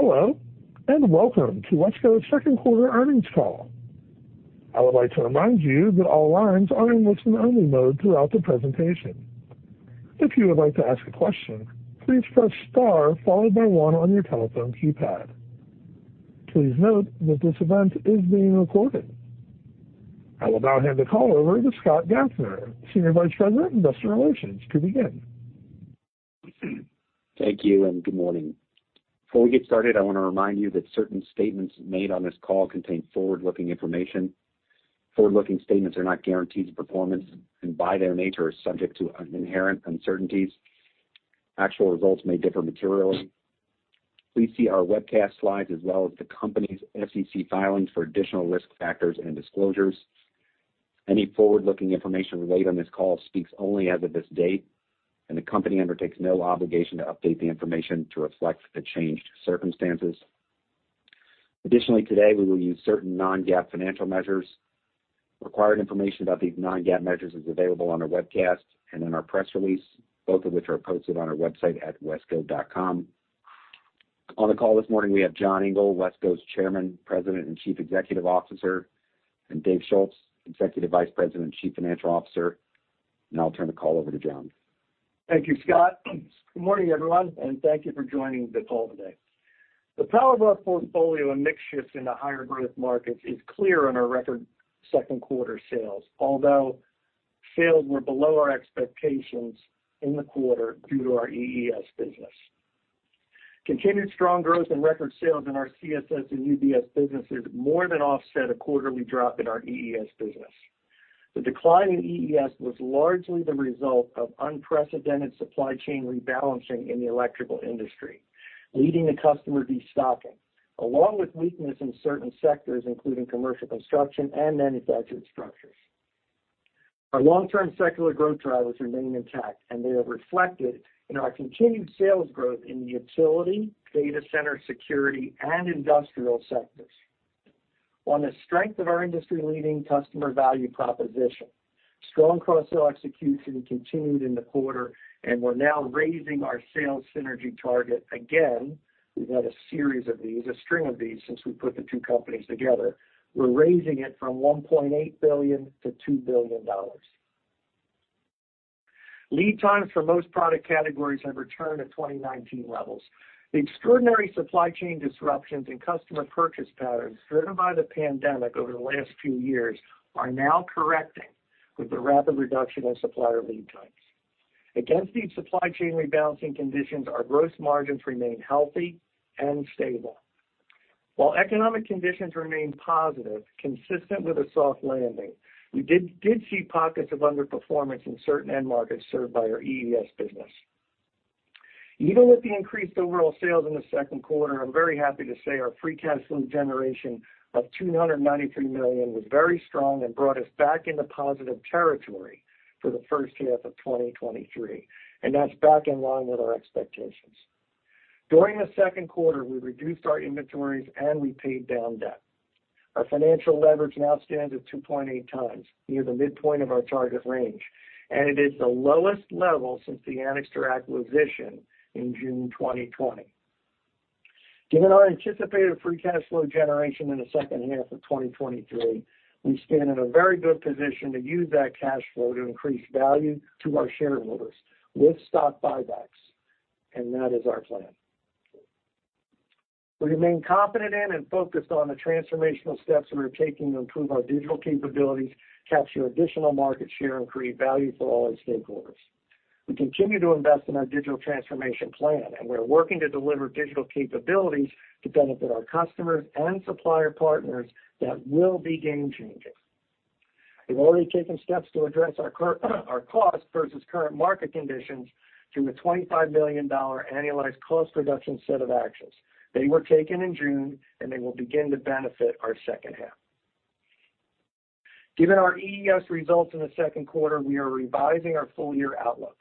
Hello, welcome to WESCO's second quarter earnings call. I would like to remind you that all lines are in listen-only mode throughout the presentation. If you would like to ask a question, please press star followed by one on your telephone keypad. Please note that this event is being recorded. I will now hand the call over to Scott Gaffner, Senior Vice President, Investor Relations, to begin. Thank you, and good morning. Before we get started, I wanna remind you that certain statements made on this call contain forward-looking information. Forward-looking statements are not guarantees of performance and, by their nature, are subject to inherent uncertainties. Actual results may differ materially. Please see our webcast slides as well as the company's SEC filings for additional risk factors and disclosures. Any forward-looking information relayed on this call speaks only as of this date, and the company undertakes no obligation to update the information to reflect the changed circumstances. Additionally, today, we will use certain non-GAAP financial measures. Required information about these non-GAAP measures is available on our webcast and in our press release, both of which are posted on our website at wesco.com. On the call this morning, we have John Engel, WESCO's Chairman, President, and Chief Executive Officer, and Dave Schulz, Executive Vice President and Chief Financial Officer. Now I'll turn the call over to John. Thank you, Scott. Good morning, everyone, and thank you for joining the call today. The power of our portfolio and mix shift into higher growth markets is clear on our record second quarter sales, although sales were below our expectations in the quarter due to our EES business. Continued strong growth and record sales in our CSS and UBS businesses more than offset a quarterly drop in our EES business. The decline in EES was largely the result of unprecedented supply chain rebalancing in the electrical industry, leading to customer destocking, along with weakness in certain sectors, including commercial construction and manufactured structures. Our long-term secular growth drivers remain intact, and they are reflected in our continued sales growth in the utility, data center, security, and industrial sectors. On the strength of our industry-leading customer value proposition, strong cross-sell execution continued in the quarter. We're now raising our sales synergy target again. We've had a series of these, a string of these, since we put the two companies together. We're raising it from $1.8 billion-$2 billion. Lead times for most product categories have returned to 2019 levels. The extraordinary supply chain disruptions and customer purchase patterns driven by the pandemic over the last 2 years are now correcting with the rapid reduction in supplier lead times. Against these supply chain rebalancing conditions, our gross margins remain healthy and stable. While economic conditions remain positive, consistent with a soft landing, we did see pockets of underperformance in certain end markets served by our EES business. Even with the increased overall sales in the second quarter, I'm very happy to say our free cash flow generation of $293 million was very strong and brought us back into positive territory for the first half of 2023. That's back in line with our expectations. During the second quarter, we reduced our inventories, and we paid down debt. Our financial leverage now stands at 2.8x, near the midpoint of our target range. It is the lowest level since the Anixter acquisition in June 2020. Given our anticipated free cash flow generation in the second half of 2023, we stand in a very good position to use that cash flow to increase value to our shareholders with stock buybacks. That is our plan. We remain confident in and focused on the transformational steps we are taking to improve our digital capabilities, capture additional market share, and create value for all our stakeholders. We continue to invest in our digital transformation plan, and we're working to deliver digital capabilities to benefit our customers and supplier partners that will be game-changing. We've already taken steps to address our costs versus current market conditions through a $25 million annualized cost reduction set of actions. They were taken in June, and they will begin to benefit our second half. Given our EES results in the second quarter, we are revising our full-year outlook.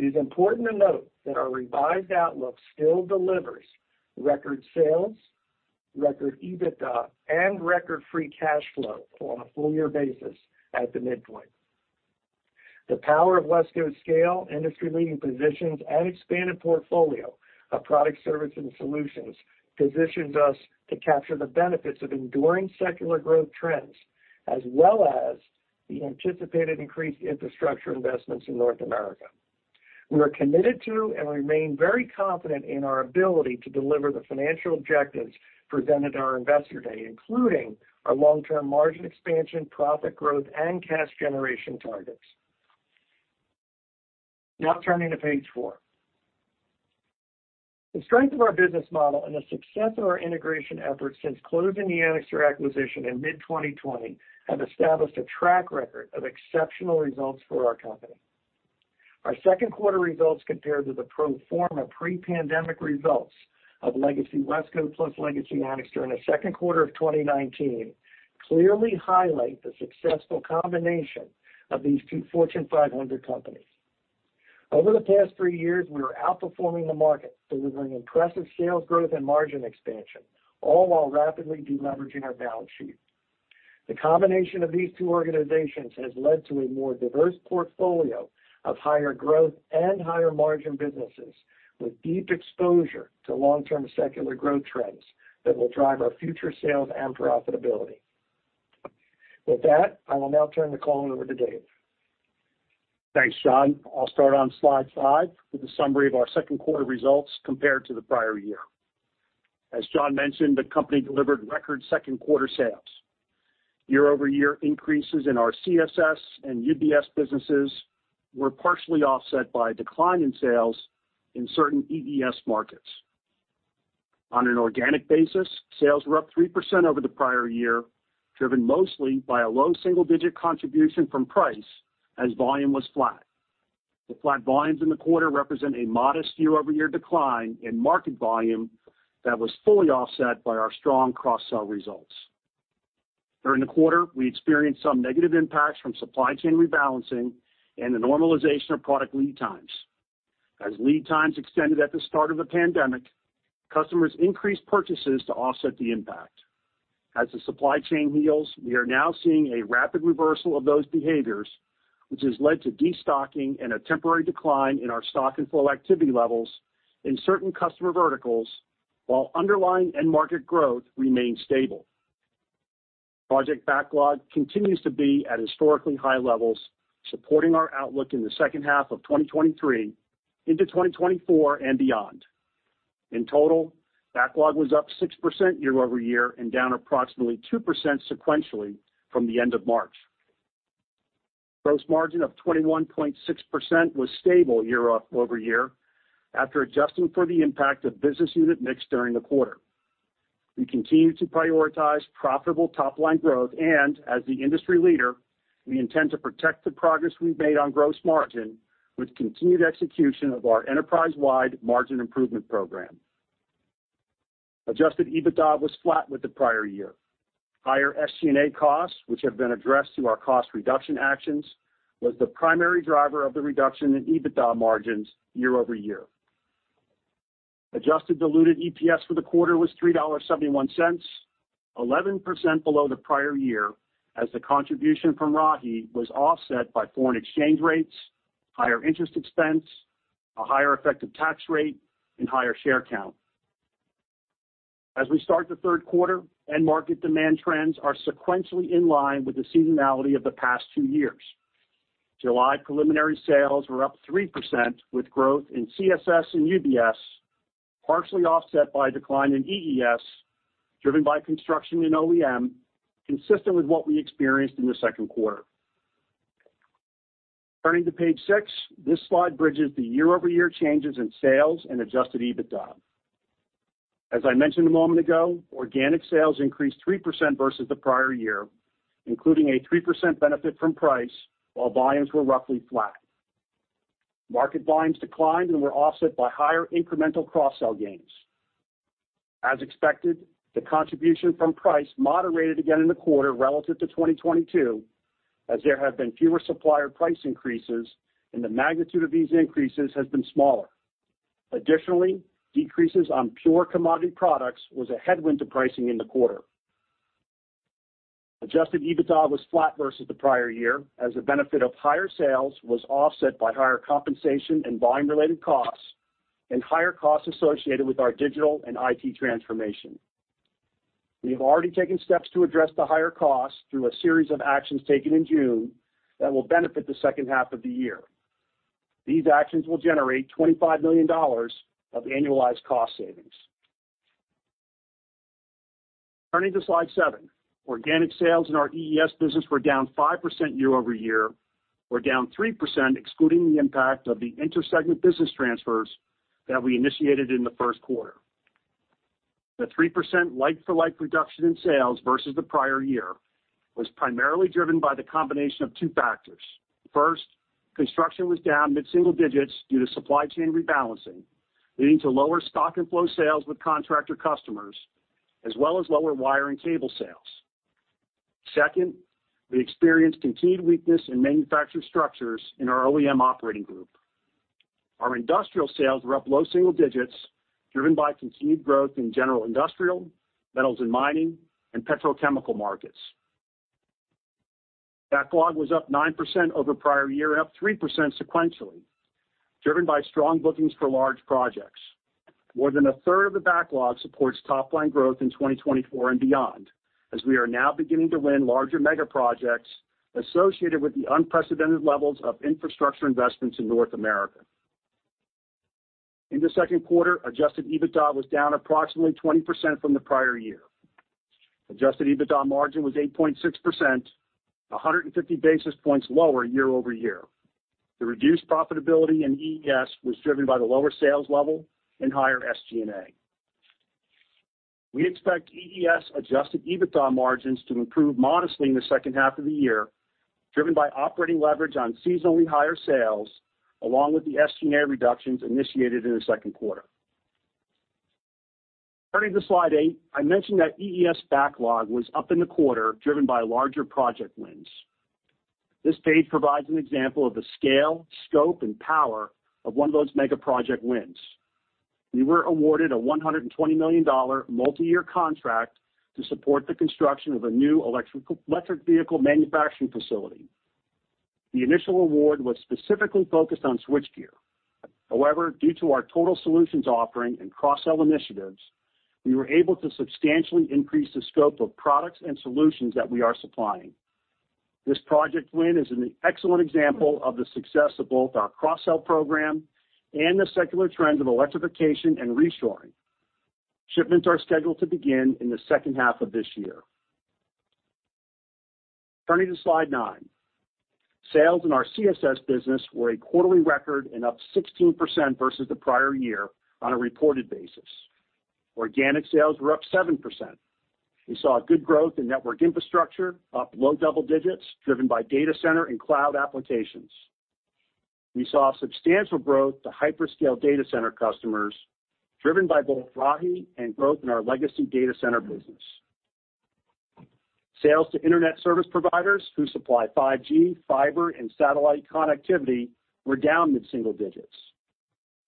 It is important to note that our revised outlook still delivers record sales, record EBITDA, and record free cash flow on a full-year basis at the midpoint. The power of WESCO's scale, industry-leading positions, and expanded portfolio of products, services, and solutions positions us to capture the benefits of enduring secular growth trends, as well as the anticipated increased infrastructure investments in North America. We are committed to and remain very confident in our ability to deliver the financial objectives presented at our Investor Day, including our long-term margin expansion, profit growth, and cash generation targets. Now turning to page four. The strength of our business model and the success of our integration efforts since closing the Anixter acquisition in mid-2020 have established a track record of exceptional results for our company. Our second quarter results, compared to the pro forma pre-pandemic results of legacy WESCO plus legacy Anixter in the second quarter of 2019, clearly highlight the successful combination of these two Fortune 500 companies. Over the past three years, we are outperforming the market, delivering impressive sales growth and margin expansion, all while rapidly deleveraging our balance sheet. The combination of these two organizations has led to a more diverse portfolio of higher growth and higher margin businesses, with deep exposure to long-term secular growth trends that will drive our future sales and profitability. With that, I will now turn the call over to Dave. Thanks, John. I'll start on slide five with a summary of our second quarter results compared to the prior year. As John mentioned, the company delivered record second quarter sales. year-over-year increases in our CSS and UBS businesses were partially offset by a decline in sales in certain EES markets. On an organic basis, sales were up 3% over the prior year, driven mostly by a low single-digit contribution from price, as volume was flat. The flat volumes in the quarter represent a modest year-over-year decline in market volume that was fully offset by our strong cross-sell results. During the quarter, we experienced some negative impacts from supply chain rebalancing and the normalization of product lead times. As lead times extended at the start of the pandemic, customers increased purchases to offset the impact. As the supply chain heals, we are now seeing a rapid reversal of those behaviors, which has led to destocking and a temporary decline in our stock and flow activity levels in certain customer verticals, while underlying end market growth remains stable. Project backlog continues to be at historically high levels, supporting our outlook in the second half of 2023 into 2024 and beyond. In total, backlog was up 6% year-over-year and down approximately 2% sequentially from the end of March. Gross margin of 21.6% was stable year-over-year, after adjusting for the impact of business unit mix during the quarter. We continue to prioritize profitable top-line growth, and as the industry leader, we intend to protect the progress we've made on gross margin with continued execution of our enterprise-wide margin improvement program. Adjusted EBITDA was flat with the prior year. Higher SG&A costs, which have been addressed through our cost reduction actions, was the primary driver of the reduction in EBITDA margins year-over-year. Adjusted diluted EPS for the quarter was $3.71, 11% below the prior year, as the contribution from Rahi was offset by foreign exchange rates, higher interest expense, a higher effective tax rate, and higher share count. As we start the third quarter, end market demand trends are sequentially in line with the seasonality of the past two years. July preliminary sales were up 3%, with growth in CSS and UBS, partially offset by a decline in EES, driven by construction and OEM, consistent with what we experienced in the second quarter. Turning to page six, this slide bridges the year-over-year changes in sales and adjusted EBITDA. As I mentioned a moment ago, organic sales increased 3% versus the prior year, including a 3% benefit from price, while volumes were roughly flat. Market volumes declined and were offset by higher incremental cross-sell gains. As expected, the contribution from price moderated again in the quarter relative to 2022, as there have been fewer supplier price increases, and the magnitude of these increases has been smaller. Additionally, decreases on pure commodity products was a headwind to pricing in the quarter. Adjusted EBITDA was flat versus the prior year, as the benefit of higher sales was offset by higher compensation and volume-related costs, and higher costs associated with our digital and IT transformation. We have already taken steps to address the higher costs through a series of actions taken in June that will benefit the second half of the year. These actions will generate $25 million of annualized cost savings. Turning to slide seven. Organic sales in our EES business were down 5% year-over-year, or down 3%, excluding the impact of the inter-segment business transfers that we initiated in the first quarter. The 3% like-for-like reduction in sales versus the prior year was primarily driven by the combination of two factors. First, construction was down mid-single digits due to supply chain rebalancing, leading to lower stock and flow sales with contractor customers, as well as lower wire and cable sales. Second, we experienced continued weakness in manufactured structures in our OEM operating group. Our industrial sales were up low single digits, driven by continued growth in general industrial, metals and mining, and petrochemical markets. Backlog was up 9% over prior year and up 3% sequentially, driven by strong bookings for large projects. More than a third of the backlog supports top-line growth in 2024 and beyond, as we are now beginning to win larger mega projects associated with the unprecedented levels of infrastructure investments in North America. In the second quarter, adjusted EBITDA was down approximately 20% from the prior year. Adjusted EBITDA margin was 8.6%, 150 basis points lower year-over-year. The reduced profitability in EES was driven by the lower sales level and higher SG&A. We expect EES adjusted EBITDA margins to improve modestly in the second half of the year, driven by operating leverage on seasonally higher sales, along with the SG&A reductions initiated in the second quarter. Turning to slide eight, I mentioned that EES backlog was up in the quarter, driven by larger project wins. This page provides an example of the scale, scope, and power of one of those mega project wins. We were awarded a $120 million multiyear contract to support the construction of a new electric vehicle manufacturing facility. The initial award was specifically focused on switchgear. However, due to our total solutions offering and cross-sell initiatives, we were able to substantially increase the scope of products and solutions that we are supplying. This project win is an excellent example of the success of both our cross-sell program and the secular trend of electrification and reshoring. Shipments are scheduled to begin in the second half of this year. Turning to slide nine. Sales in our CSS business were a quarterly record and up 16% versus the prior year on a reported basis. Organic sales were up 7%. We saw a good growth in network infrastructure, up low double digits, driven by data center and cloud applications. We saw substantial growth to hyperscale data center customers, driven by both Rahi and growth in our legacy data center business. Sales to internet service providers who supply 5G, fiber, and satellite connectivity were down mid-single digits.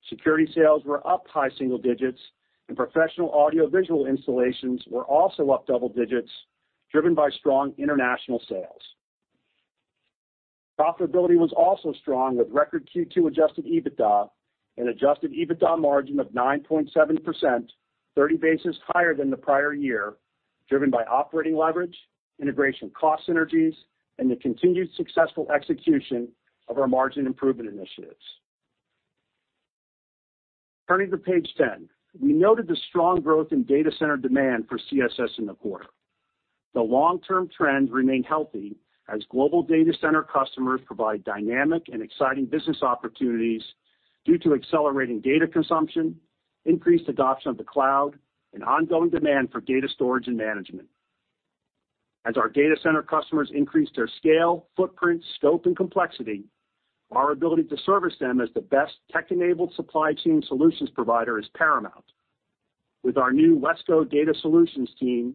Security sales were up high single digits, and professional audiovisual installations were also up double digits, driven by strong international sales. Profitability was also strong, with record Q2 Adjusted EBITDA and Adjusted EBITDA margin of 9.7%, 30 basis higher than the prior year, driven by operating leverage, integration cost synergies, and the continued successful execution of our margin improvement initiatives. Turning to page 10. We noted the strong growth in data center demand for CSS in the quarter. The long-term trends remain healthy as global data center customers provide dynamic and exciting business opportunities due to accelerating data consumption, increased adoption of the cloud, and ongoing demand for data storage and management. As our data center customers increase their scale, footprint, scope, and complexity, our ability to service them as the best tech-enabled supply chain solutions provider is paramount. With our new WESCO Data Solutions team,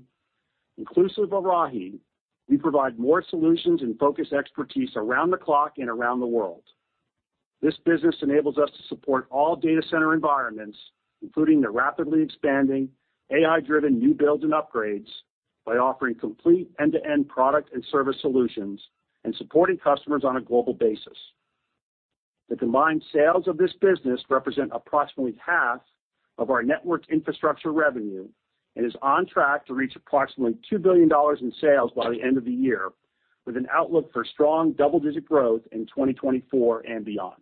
inclusive of Rahi, we provide more solutions and focus expertise around the clock and around the world. This business enables us to support all data center environments, including the rapidly expanding AI-driven new builds and upgrades, by offering complete end-to-end product and service solutions and supporting customers on a global basis. The combined sales of this business represent approximately half of our network infrastructure revenue and is on track to reach approximately $2 billion in sales by the end of the year, with an outlook for strong double-digit growth in 2024 and beyond.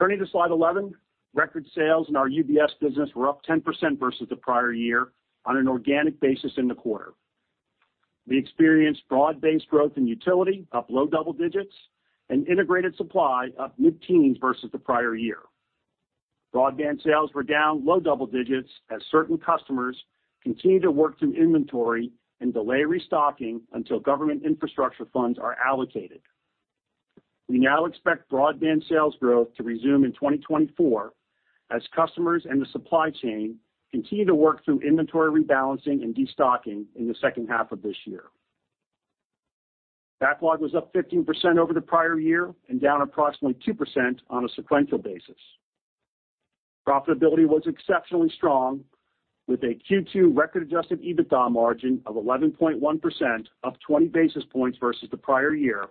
Turning to slide 11. Record sales in our UBS business were up 10% versus the prior year on an organic basis in the quarter. We experienced broad-based growth in utility, up low double digits, and integrated supply, up mid-teens versus the prior year. Broadband sales were down low double digits as certain customers continue to work through inventory and delay restocking until government infrastructure funds are allocated. We now expect broadband sales growth to resume in 2024 as customers and the supply chain continue to work through inventory rebalancing and destocking in the second half of this year. Backlog was up 15% over the prior year and down approximately 2% on a sequential basis. Profitability was exceptionally strong, with a Q2 record adjusted EBITDA margin of 11.1%, up 20 basis points versus the prior year,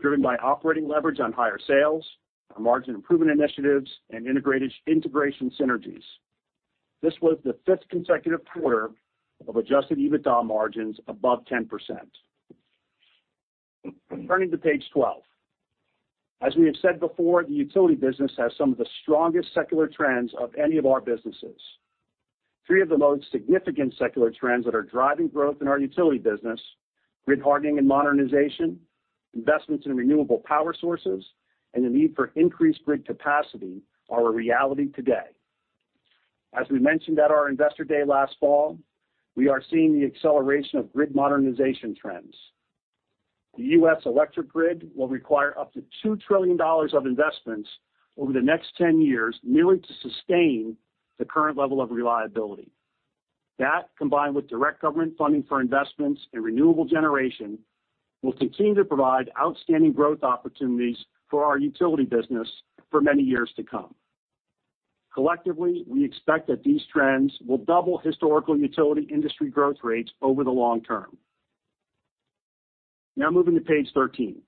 driven by operating leverage on higher sales, our margin improvement initiatives, and integration synergies. This was the fifth consecutive quarter of adjusted EBITDA margins above 10%. Turning to page 12. As we have said before, the utility business has some of the strongest secular trends of any of our businesses. 3 of the most significant secular trends that are driving growth in our utility business, grid hardening and modernization, investments in renewable power sources, and the need for increased grid capacity, are a reality today. As we mentioned at our Investor Day last fall, we are seeing the acceleration of grid modernization trends. The U.S. electric grid will require up to $2 trillion of investments over the next 10 years, merely to sustain the current level of reliability. That, combined with direct government funding for investments and renewable generation, will continue to provide outstanding growth opportunities for our utility business for many years to come. Collectively, we expect that these trends will double historical utility industry growth rates over the long term. Now moving to page 13.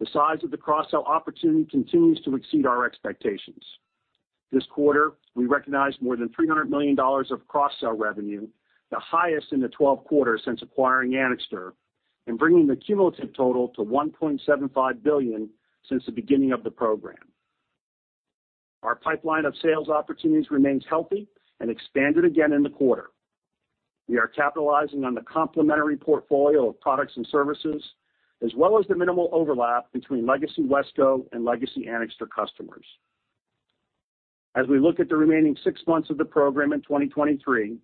The size of the cross-sell opportunity continues to exceed our expectations. This quarter, we recognized more than $300 million of cross-sell revenue, the highest in the 12 quarters since acquiring Anixter, and bringing the cumulative total to $1.75 billion since the beginning of the program. Our pipeline of sales opportunities remains healthy and expanded again in the quarter. We are capitalizing on the complementary portfolio of products and services, as well as the minimal overlap between legacy WESCO and legacy Anixter customers. As we look at the remaining six months of the program in 2023,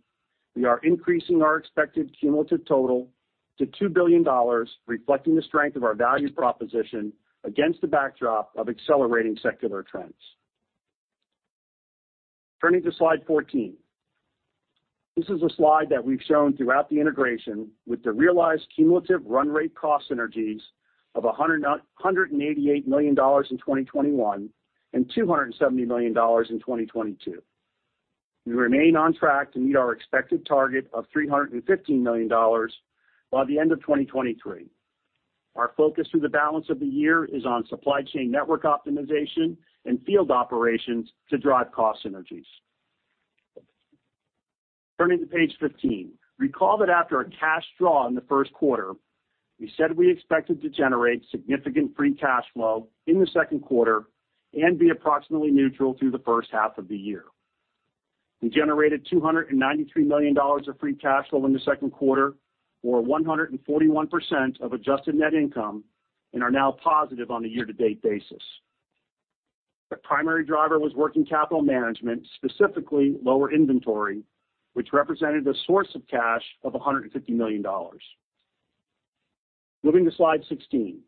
we are increasing our expected cumulative total to $2 billion, reflecting the strength of our value proposition against the backdrop of accelerating secular trends. Turning to slide 14. This is a slide that we've shown throughout the integration, with the realized cumulative run rate cost synergies of $188 million in 2021, and $270 million in 2022. We remain on track to meet our expected target of $315 million by the end of 2023. Our focus through the balance of the year is on supply chain network optimization and field operations to drive cost synergies. Turning to page 15. Recall that after a cash draw in the first quarter, we said we expected to generate significant free cash flow in the second quarter and be approximately neutral through the first half of the year. We generated $293 million of free cash flow in the second quarter, or 141% of adjusted net income, and are now positive on a year-to-date basis. The primary driver was working capital management, specifically lower inventory, which represented a source of cash of $150 million. Moving to slide 16.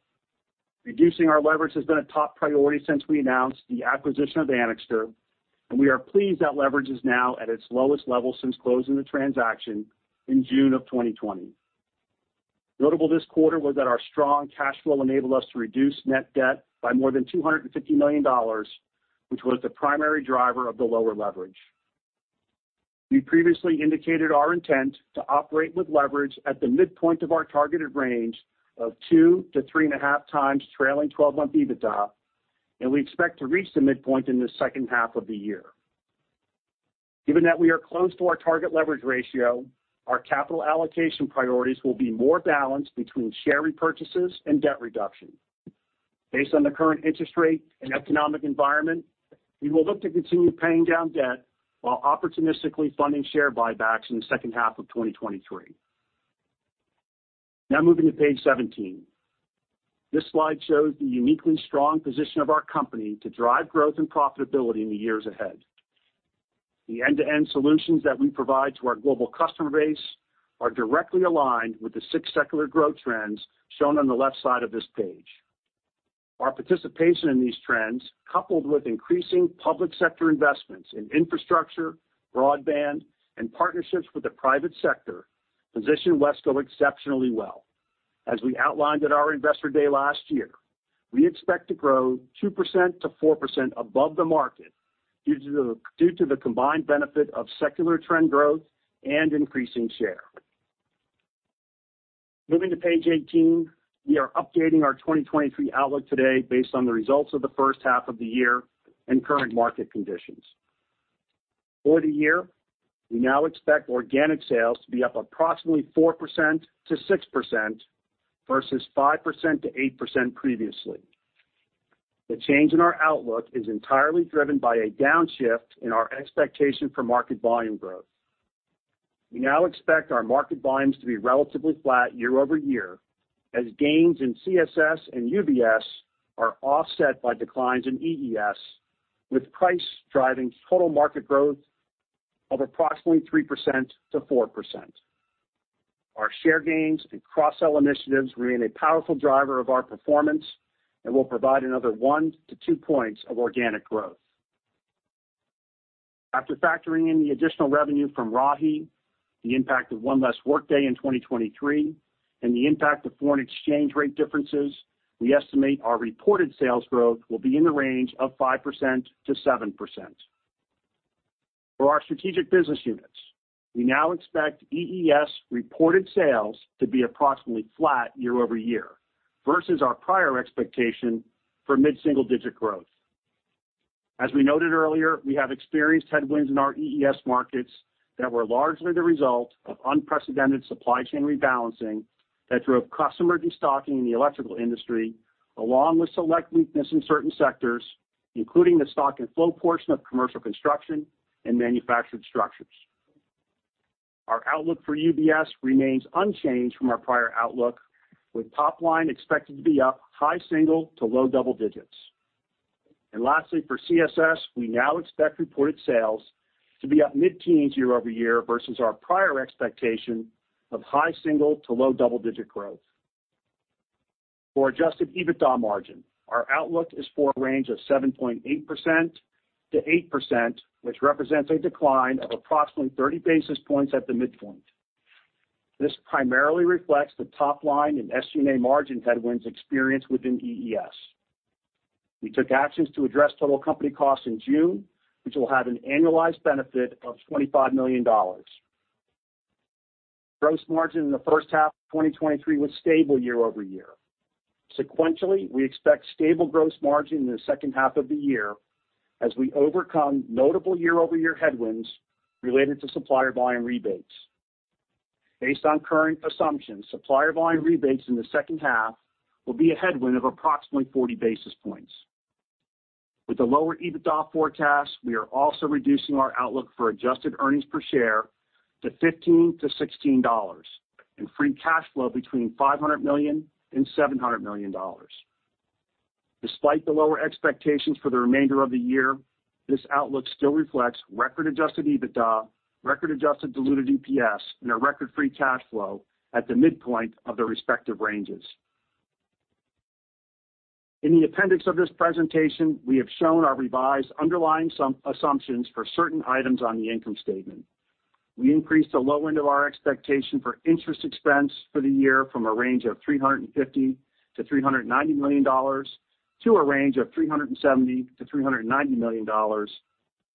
Reducing our leverage has been a top priority since we announced the acquisition of Anixter. We are pleased that leverage is now at its lowest level since closing the transaction in June of 2020. Notable this quarter was that our strong cash flow enabled us to reduce net debt by more than $250 million, which was the primary driver of the lower leverage. We previously indicated our intent to operate with leverage at the midpoint of our targeted range of 2x-3.5x trailing 12-month EBITDA. We expect to reach the midpoint in the second half of the year. Given that we are close to our target leverage ratio, our capital allocation priorities will be more balanced between share repurchases and debt reduction. Based on the current interest rate and economic environment, we will look to continue paying down debt while opportunistically funding share buybacks in the second half of 2023. Moving to page 17. This slide shows the uniquely strong position of our company to drive growth and profitability in the years ahead. The end-to-end solutions that we provide to our global customer base are directly aligned with the six secular growth trends shown on the left side of this page. Our participation in these trends, coupled with increasing public sector investments in infrastructure, broadband, and partnerships with the private sector, position WESCO exceptionally well. As we outlined at our Investor Day last year, we expect to grow 2%-4% above the market, due to the combined benefit of secular trend growth and increasing share. Moving to page 18, we are updating our 2023 outlook today based on the results of the first half of the year and current market conditions. For the year, we now expect organic sales to be up approximately 4%-6% versus 5%-8% previously. The change in our outlook is entirely driven by a downshift in our expectation for market volume growth. We now expect our market volumes to be relatively flat year-over-year, as gains in CSS and UBS are offset by declines in EES, with price driving total market growth of approximately 3%-4%. Our share gains and cross-sell initiatives remain a powerful driver of our performance and will provide another 1 to 2 points of organic growth. After factoring in the additional revenue from Rahi, the impact of one less workday in 2023, and the impact of foreign exchange rate differences, we estimate our reported sales growth will be in the range of 5%-7%. For our strategic business units, we now expect EES reported sales to be approximately flat year-over-year, versus our prior expectation for mid-single-digit growth. As we noted earlier, we have experienced headwinds in our EES markets that were largely the result of unprecedented supply chain rebalancing that drove customer destocking in the electrical industry, along with select weakness in certain sectors, including the stock and flow portion of commercial construction and manufactured structures. Our outlook for UBS remains unchanged from our prior outlook, with top line expected to be up high single to low double digits. Lastly, for CSS, we now expect reported sales to be up mid-teens year-over-year versus our prior expectation of high single to low double-digit growth. For adjusted EBITDA margin, our outlook is for a range of 7.8%-8%, which represents a decline of approximately 30 basis points at the midpoint. This primarily reflects the top line and SG&A margin headwinds experienced within EES. We took actions to address total company costs in June, which will have an annualized benefit of $25 million. Gross margin in the first half of 2023 was stable year-over-year. Sequentially, we expect stable gross margin in the second half of the year as we overcome notable year-over-year headwinds related to supplier volume rebates. Based on current assumptions, supplier volume rebates in the second half will be a headwind of approximately 40 basis points. With the lower EBITDA forecast, we are also reducing our outlook for adjusted earnings per share to $15-$16 and free cash flow between $500 million and $700 million. Despite the lower expectations for the remainder of the year, this outlook still reflects record adjusted EBITDA, record adjusted diluted EPS, and a record free cash flow at the midpoint of the respective ranges. In the appendix of this presentation, we have shown our revised underlying assumptions for certain items on the income statement. We increased the low end of our expectation for interest expense for the year from a range of $350 million-$390 million, to a range of $370 million-$390 million,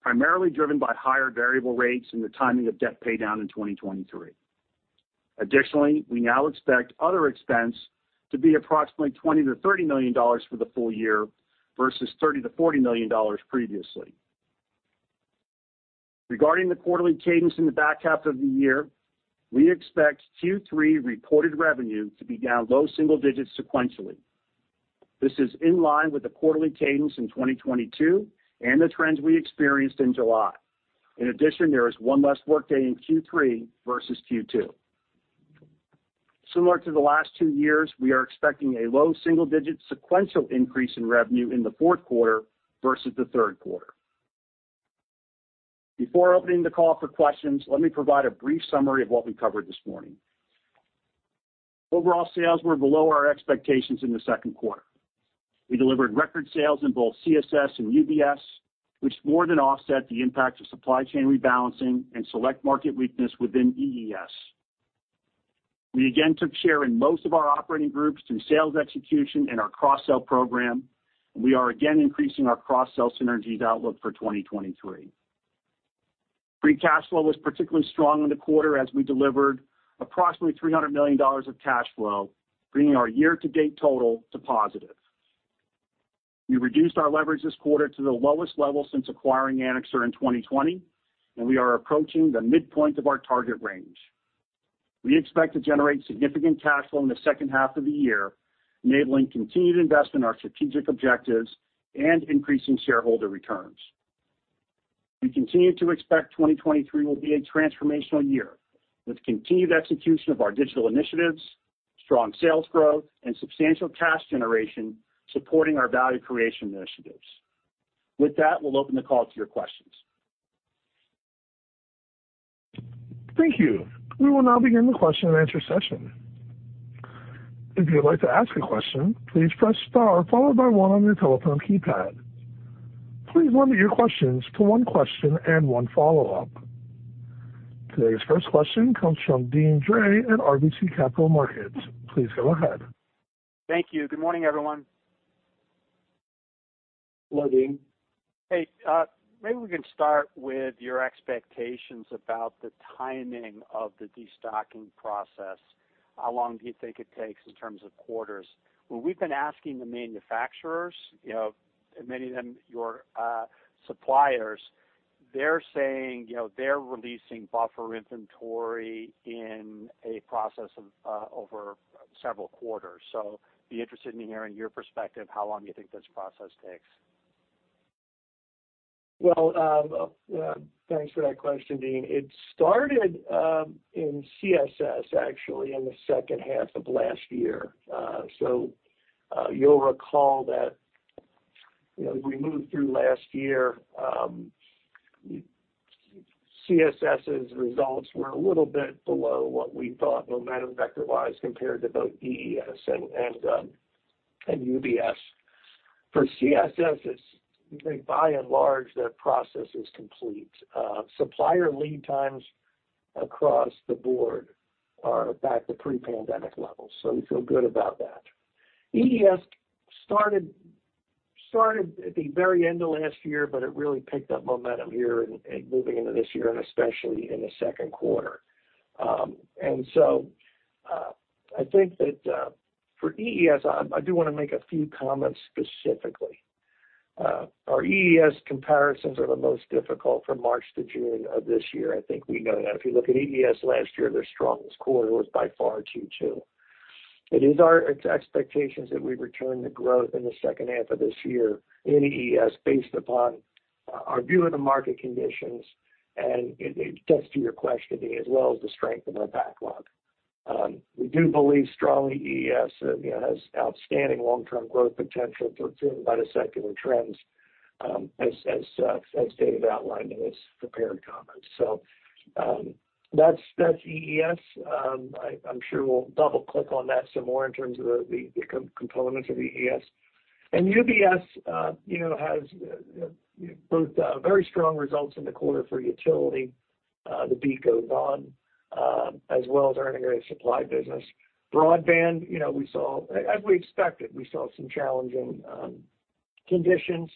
primarily driven by higher variable rates and the timing of debt paydown in 2023. Additionally, we now expect other expense to be approximately $20 million-$30 million for the full year, versus $30 million-$40 million previously. Regarding the quarterly cadence in the back half of the year, we expect Q3 reported revenue to be down low single digits sequentially. This is in line with the quarterly cadence in 2022 and the trends we experienced in July. In addition, there is one less work day in Q3 versus Q2. Similar to the last 2 years, we are expecting a low single-digit sequential increase in revenue in the fourth quarter versus the third quarter. Before opening the call for questions, let me provide a brief summary of what we covered this morning. Overall sales were below our expectations in the second quarter. We delivered record sales in both CSS and UBS, which more than offset the impact of supply chain rebalancing and select market weakness within EES. We again took share in most of our operating groups through sales execution and our cross-sell program, and we are again increasing our cross-sell synergies outlook for 2023. Free cash flow was particularly strong in the quarter as we delivered approximately $300 million of cash flow, bringing our year-to-date total to positive. We reduced our leverage this quarter to the lowest level since acquiring Anixter in 2020. We are approaching the midpoint of our target range. We expect to generate significant cash flow in the second half of the year, enabling continued investment in our strategic objectives and increasing shareholder returns. We continue to expect 2023 will be a transformational year, with continued execution of our digital initiatives, strong sales growth, and substantial cash generation supporting our value creation initiatives. With that, we will open the call to your questions. Thank you. We will now begin the question-and-answer session. If you'd like to ask a question, please press star followed by one on your telephone keypad. Please limit your questions to one question and one follow-up. Today's first question comes from Deane Dray at RBC Capital Markets. Please go ahead. Thank you. Good morning, everyone. Hello, Deane. Hey, maybe we can start with your expectations about the timing of the destocking process. How long do you think it takes in terms of quarters? When we've been asking the manufacturers, you know, many of them, your suppliers, they're saying, you know, they're releasing buffer inventory in a process of over several quarters. Be interested in hearing your perspective, how long you think this process takes. Well, yeah, thanks for that question, Deane. It started in CSS, actually, in the second half of last year. You'll recall that, you know, as we moved through last year, CSS's results were a little bit below what we thought momentum vector-wise, compared to both EES and UBS. For CSS, it's, I think, by and large, that process is complete. Supplier lead times across the board are back to pre-pandemic levels, so we feel good about that. EES started at the very end of last year, but it really picked up momentum here and moving into this year, and especially in the second quarter. I think that for EES, I do wanna make a few comments specifically. Our EES comparisons are the most difficult from March to June of this year. I think we know that. If you look at EES last year, their strongest quarter was by far Q2. It is our expectations that we return to growth in the second half of this year in EES, based upon our view of the market conditions, and it, it gets to your question, Deane, as well as the strength of our backlog. We do believe strongly EES, you know, has outstanding long-term growth potential driven by the secular trends, as Dave outlined in his prepared comments. That's, that's EES. I, I'm sure we'll double-click on that some more in terms of the components of EES. UBS, you know, has both very strong results in the quarter for utility. The beat goes on, as well as our integrated supply business. Broadband, you know, as we expected, we saw some challenging conditions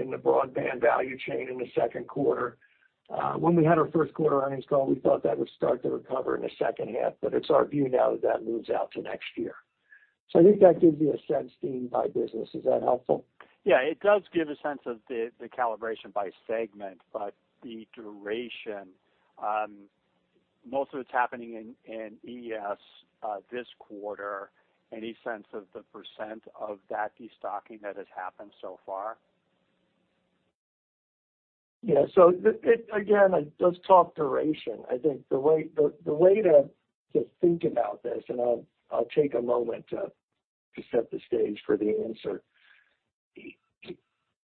in the broadband value chain in the second quarter. We had our first quarter earnings call, we thought that would start to recover in the second half, but it's our view now that moves out to next year. I think that gives you a sense, Deane, by business. Is that helpful? Yeah, it does give a sense of the, the calibration by segment, but the duration, most of it's happening in, in EES, this quarter. Any sense of the percent of that destocking that has happened so far? Again, let's talk duration. I think the way, the, the way to, to think about this, and I'll, I'll take a moment to, to set the stage for the answer.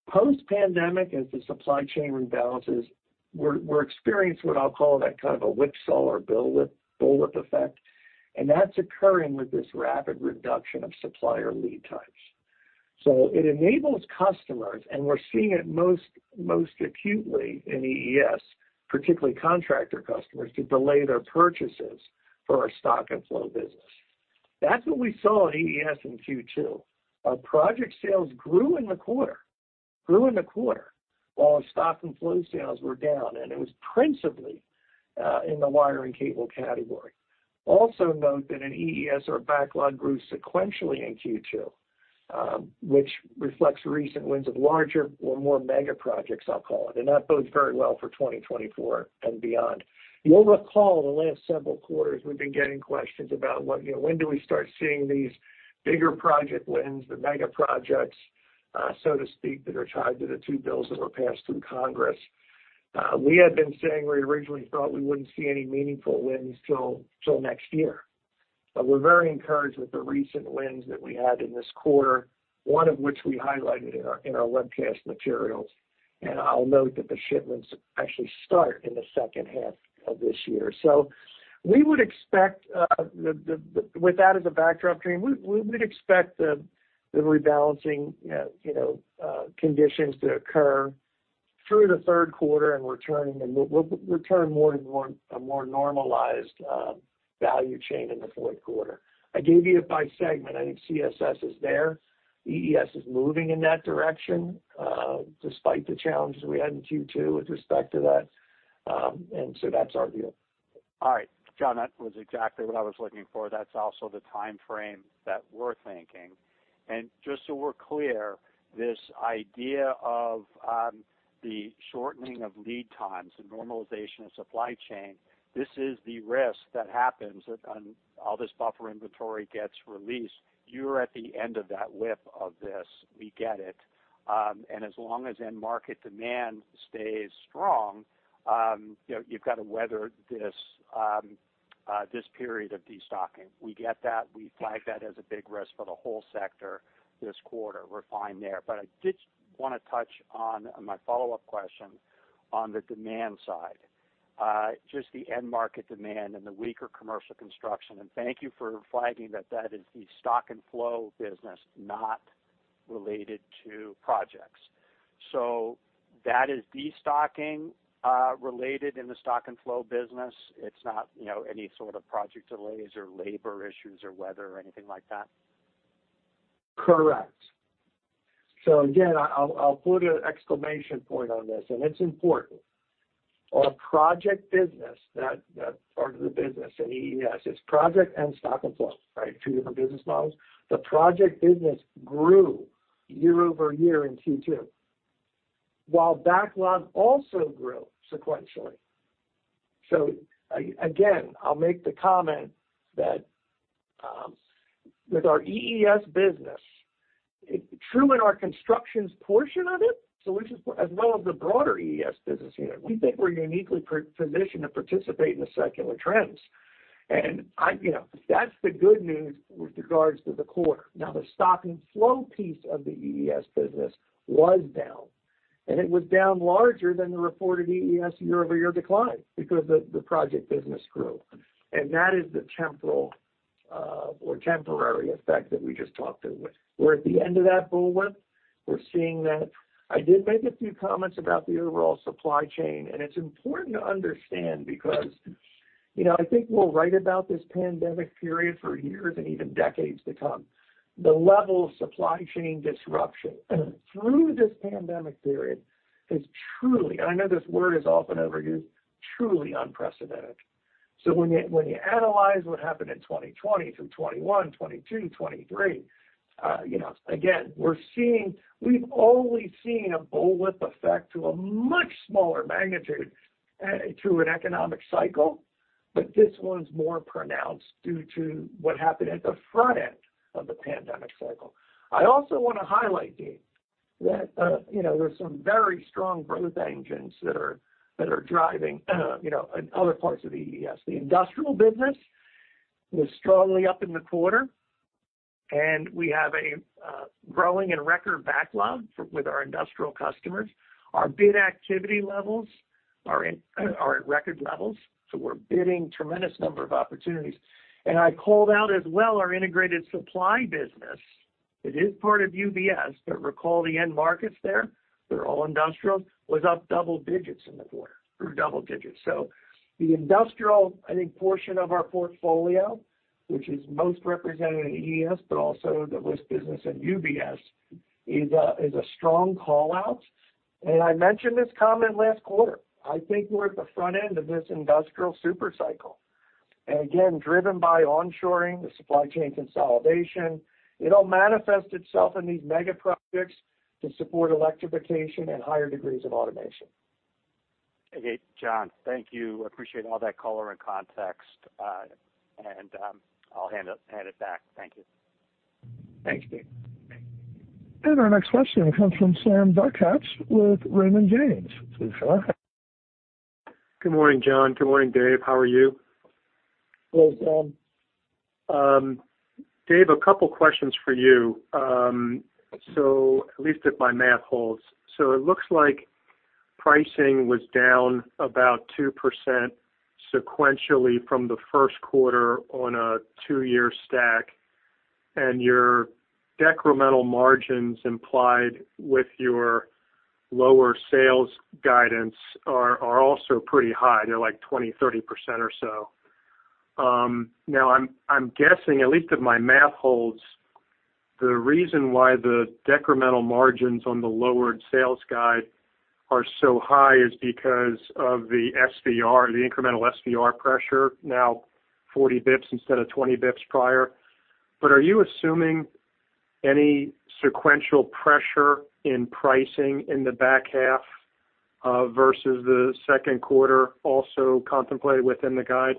Post-pandemic, as the supply chain rebalances, we're, we're experienced what I'll call that kind of a whipsaw or bullwhip effect, and that's occurring with this rapid reduction of supplier lead times. It enables customers, and we're seeing it most, most acutely in EES, particularly contractor customers, to delay their purchases for our stock and flow business. That's what we saw at EES in Q2. Our project sales grew in the quarter, grew in the quarter, while our stock and flow sales were down, and it was principally in the wiring cable category. Also note that in EES, our backlog grew sequentially in Q2, which reflects recent wins of larger or more mega projects, I'll call it, and that bodes very well for 2024 and beyond. You'll recall, in the last several quarters, we've been getting questions about when, you know, when do we start seeing these bigger project wins, the mega projects, so to speak, that are tied to the 2 bills that were passed through Congress. We had been saying we originally thought we wouldn't see any meaningful wins till, till next year. We're very encouraged with the recent wins that we had in this quarter, one of which we highlighted in our, in our webcast materials. I'll note that the shipments actually start in the second half of this year. We would expect, with that as a backdrop, Deane, we, we'd expect the rebalancing, you know, conditions to occur through the third quarter and returning, we'll return more to more, a more normalized, value chain in the fourth quarter. I gave you it by segment. I think CSS is there. EES is moving in that direction, despite the challenges we had in Q2 with respect to that. So that's our view. All right, John, that was exactly what I was looking for. That's also the timeframe that we're thinking. Just so we're clear, this idea of the shortening of lead times, the normalization of supply chain, this is the risk that happens on all this buffer inventory gets released. You're at the end of that whip of this, we get it. As long as end market demand stays strong, you know, you've got to weather this period of destocking. We get that. We flag that as a big risk for the whole sector this quarter. We're fine there. I did wanna touch on, on my follow-up question on the demand side, just the end market demand and the weaker commercial construction. Thank you for flagging that that is the stock and flow business, not related to projects. That is destocking related in the stock and flow business. It's not, you know, any sort of project delays or labor issues or weather or anything like that? Correct. Again, I'll, I'll put an exclamation point on this, and it's important. Our project business, that, that part of the business in EES, is project and stock and flow, right? Two different business models. The project business grew year-over-year in Q2, while backlog also grew sequentially. Again, I'll make the comment that, with our EES business, true in our constructions portion of it, which is, as well as the broader EES business unit, we think we're uniquely positioned to participate in the secular trends. You know, that's the good news with regards to the quarter. Now, the stock and flow piece of the EES business was down, and it was down larger than the reported EES year-over-year decline because the, the project business grew, and that is the temporal, or temporary effect that we just talked through. We're at the end of that bullwhip. We're seeing that. I did make a few comments about the overall supply chain, and it's important to understand because, you know, I think we'll write about this pandemic period for years and even decades to come. The level of supply chain disruption through this pandemic period is truly, and I know this word is often overused, truly unprecedented. When you, when you analyze what happened in 2020 through 2021, 2022, 2023, you know, again, we've only seen a bullwhip effect to a much smaller magnitude to an economic cycle, but this one's more pronounced due to what happened at the front end of the pandemic cycle. I also want to highlight, Deane, that, you know, there's some very strong growth engines that are, that are driving, you know, in other parts of EES. The industrial business was strongly up in the quarter, and we have a growing and record backlog with our industrial customers. Our bid activity levels are at record levels, so we're bidding tremendous number of opportunities. I called out as well our integrated supply business. It is part of UBS, but recall the end markets there, they're all industrial, was up double digits in the quarter, or double digits. The industrial, I think, portion of our portfolio, which is most represented in EES, but also the legacy business in UBS, is a strong call-out. I mentioned this comment last quarter. I think we're at the front end of this industrial super cycle, and again, driven by onshoring, the supply chain consolidation. It'll manifest itself in these mega projects to support electrification and higher degrees of automation. Okay, John, thank you. Appreciate all that color and context, and, I'll hand it back. Thank you. Thanks, Deane. Our next question comes from Sam Darkatsh with Raymond James. Please go ahead. Good morning, John. Good morning, Dave. How are you? Hello, Sam. Dave, a couple questions for you. At least if my math holds, it looks like pricing was down about 2% sequentially from the first quarter on a two-year stack, and your decremental margins implied with your lower sales guidance are also pretty high. They're like 20%-30% or so. Now I'm, I'm guessing, at least if my math holds, the reason why the decremental margins on the lowered sales guide are so high is because of the SVR, the incremental SVR pressure, now 40 basis points instead of 20 basis points prior. Are you assuming any sequential pressure in pricing in the back half, versus the second quarter, also contemplated within the guide?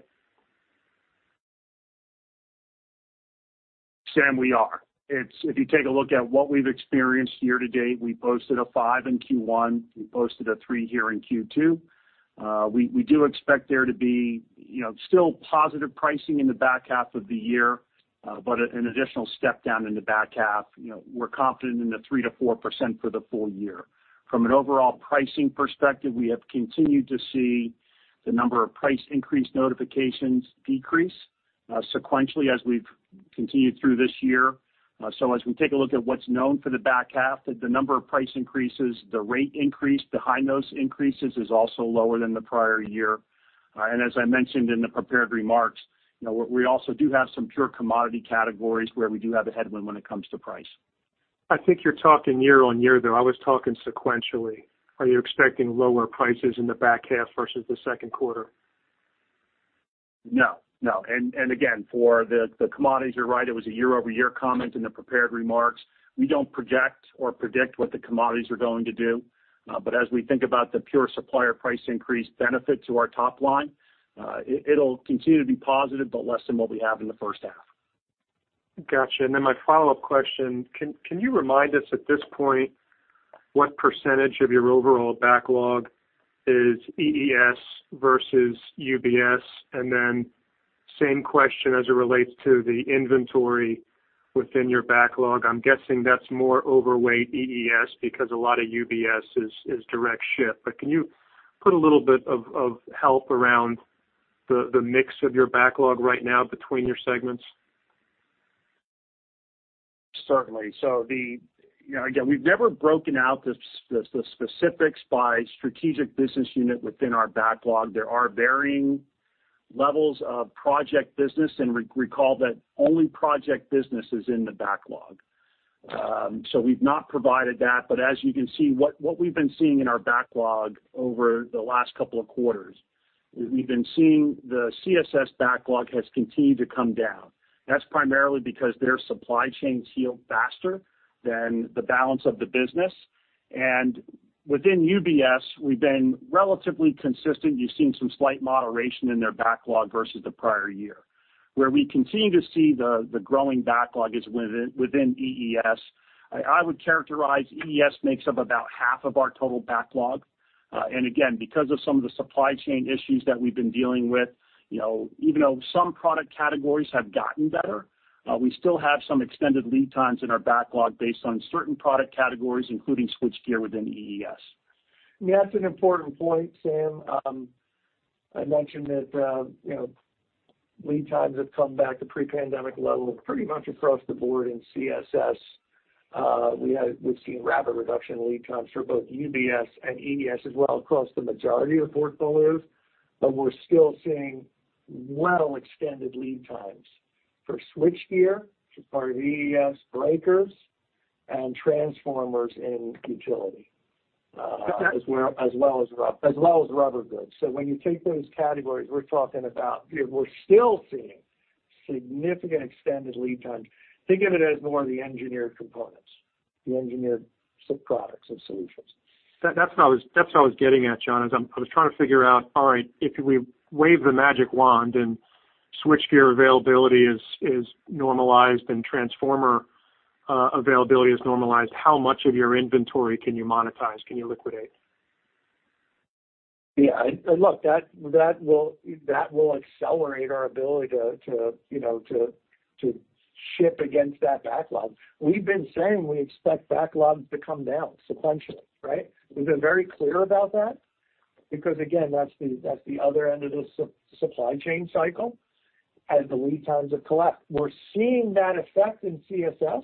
Sam, we are. If you take a look at what we've experienced year-to-date, we posted a 5 in Q1, we posted a 3 here in Q2. We, we do expect there to be, you know, still positive pricing in the back half of the year, but an additional step down in the back half. You know, we're confident in the 3%-4% for the full year. From an overall pricing perspective, we have continued to see the number of price increase notifications decrease sequentially as we've continued through this year. As we take a look at what's known for the back half, the number of price increases, the rate increase behind those increases is also lower than the prior year. As I mentioned in the prepared remarks, you know, we, we also do have some pure commodity categories where we do have a headwind when it comes to price. I think you're talking year-over-year, though, I was talking sequentially. Are you expecting lower prices in the back half versus the second quarter? No, no, and again, for the, the commodities, you're right, it was a year-over-year comment in the prepared remarks. We don't project or predict what the commodities are going to do, but as we think about the pure supplier price increase benefit to our top line, it, it'll continue to be positive, but less than what we have in the first half. Gotcha. Then my follow-up question, can you remind us at this point, what percentage of your overall backlog is EES versus UBS? Then same question as it relates to the inventory within your backlog. I'm guessing that's more overweight EES, because a lot of UBS is, is direct ship. Can you put a little bit of, of help around the, the mix of your backlog right now between your segments? Certainly. The, you know, again, we've never broken out the, the specifics by strategic business unit within our backlog. There are varying levels of project business, and recall that only project business is in the backlog. We've not provided that, but as you can see, what, what we've been seeing in our backlog over the last couple of quarters, we've been seeing the CSS backlog has continued to come down. That's primarily because their supply chains heal faster than the balance of the business. Within UBS, we've been relatively consistent. You've seen some slight moderation in their backlog versus the prior year. Where we continue to see the, the growing backlog is within, within EES. I, I would characterize EES makes up about half of our total backlog. Again, because of some of the supply chain issues that we've been dealing with, you know, even though some product categories have gotten better, we still have some extended lead times in our backlog based on certain product categories, including switchgear within EES. Yeah, that's an important point, Sam. I mentioned that, you know, lead times have come back to pre-pandemic levels pretty much across the board in CSS. We've seen rapid reduction in lead times for both UBS and EES as well across the majority of the portfolios, but we're still seeing well extended lead times for switchgear, which is part of EES, breakers, and transformers in utility, as well as rubber goods. When you take those categories, we're talking about, you know, we're still seeing significant extended lead times. Think of it as more of the engineered components, the engineered subproducts and solutions. That, that's what I was, that's what I was getting at, John, is I was trying to figure out, all right, if we wave the magic wand and switchgear availability is, is normalized and transformer availability is normalized, how much of your inventory can you monetize? Can you liquidate? Look, that, that will, that will accelerate our ability to, to, you know, to, to ship against that backlog. We've been saying we expect backlogs to come down sequentially, right? We've been very clear about that because, again, that's the, that's the other end of the supply chain cycle as the lead times have collapsed. We're seeing that effect in CSS.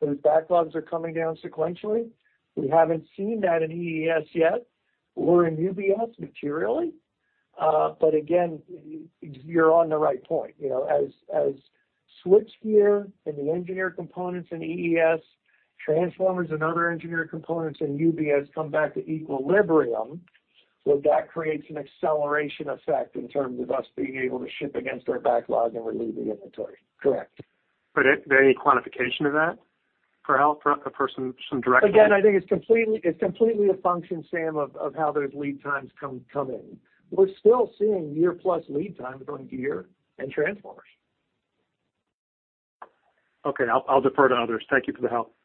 Those backlogs are coming down sequentially. We haven't seen that in EES yet or in UBS materially. Again, you're on the right point. You know, as, as switchgear and the engineered components in EES, transformers and other engineered components in UBS come back to equilibrium, so that creates an acceleration effect in terms of us being able to ship against our backlog and relieve the inventory. Correct. Is there any quantification of that? For help, for some direction. Again, I think it's completely, it's completely a function, Sam, of, of how those lead times come, come in. We're still seeing year-plus lead times on gear and transformers. Okay, I'll, I'll defer to others. Thank you for the help.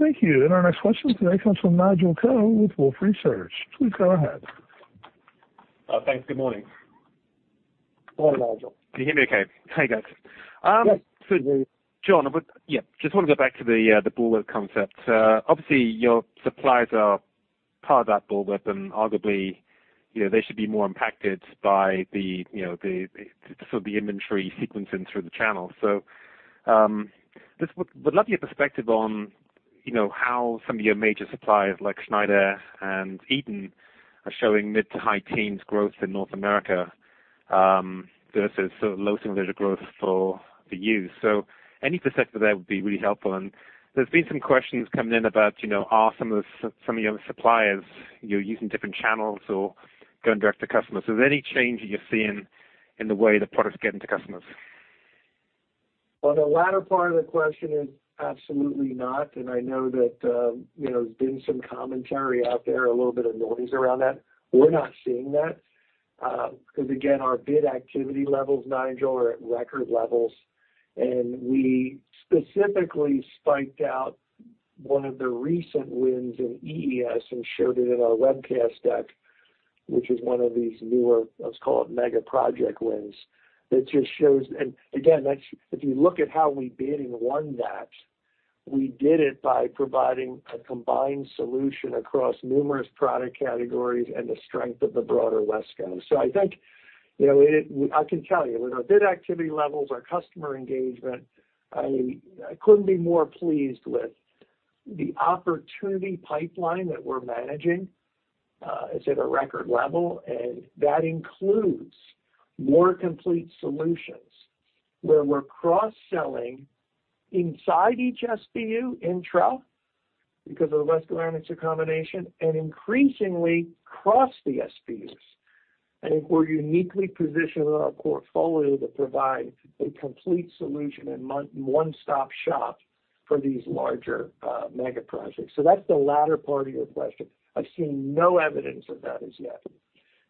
Thank you. Our next question today comes from Nigel Coe with Wolfe Research. Please go ahead. Thanks. Good morning. Morning, Nigel. Can you hear me okay? Hey, guys. Yes. John, yeah, just want to go back to the bullwhip concept. Obviously, your suppliers are part of that bullwhip, and arguably, you know, they should be more impacted by the, you know, the inventory sequencing through the channel. Just would love your perspective on, you know, how some of your major suppliers, like Schneider and Eaton, are showing mid to high teens growth in North America, versus sort of low single-digit growth for you. Any perspective there would be really helpful. There's been some questions coming in about, you know, are some of your suppliers, you know, using different channels or going direct to customers? Is there any change that you're seeing in the way the products get into customers? Well, the latter part of the question is absolutely not, and I know that, you know, there's been some commentary out there, a little bit of noise around that. We're not seeing that, 'cause again, our bid activity levels, Nigel, are at record levels. We specifically spiked out one of the recent wins in EES and showed it in our webcast deck, which is one of these newer, let's call it mega project wins. That just shows... Again, that's, if you look at how we bid and won that, we did it by providing a combined solution across numerous product categories and the strength of the broader WESCO. I think, you know, it, I can tell you, with our bid activity levels, our customer engagement, I, I couldn't be more pleased with the opportunity pipeline that we're managing, is at a record level, and that includes more complete solutions, where we're cross-selling inside each SBU in through, because of the WESCO management combination, and increasingly across the SBUs. I think we're uniquely positioned in our portfolio to provide a complete solution and one-stop shop for these larger, mega projects. That's the latter part of your question. I've seen no evidence of that as yet,